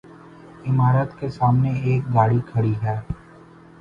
عمارت کے سامنے ایک گاڑی کھڑی ہے